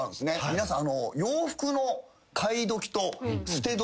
皆さん。